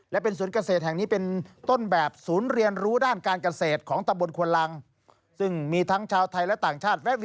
และเป็นสวนเกษตรแห่งนี้เป็นต้นแบบศูนย์เรียนรู้ด้านการเกษตรของตะบลควันลัง